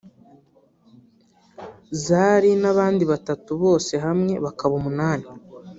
Zari n’ abandi batatu bose hamwe bakaba umunani